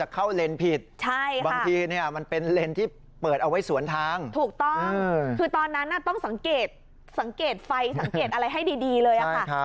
ก็สังเกตสังเกตไฟสังเกตอะไรให้ดีเลยอะค่ะ